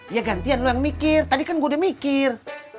ya gantian lu yang mikir tadi kan gue udah mikir